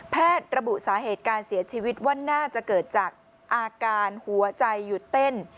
ระบุสาเหตุการเสียชีวิตว่าน่าจะเกิดจากอาการหัวใจหยุดเต้น